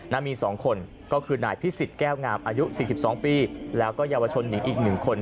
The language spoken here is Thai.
มี๒คนก็คือนายพิสิทธิแก้วงามอายุ๔๒ปีแล้วก็เยาวชนหญิงอีก๑คน